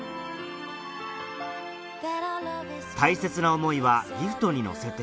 大切な思いはギフトに乗せて